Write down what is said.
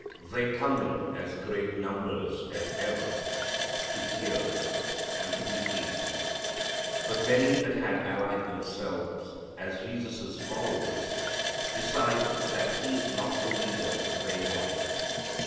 They come in as great numbers as ever to hear and to be healed. But many that had allied themselves as Jesus' followers decide that He is not the leader they want.